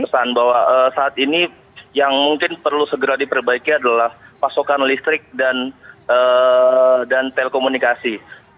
kesan bahwa saat ini yang mungkin perlu segera diperbaiki adalah pasokan listrik dan telekomunikasi